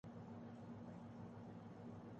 what's app نے Android صارفین کی بڑی پریشانی ختم کردی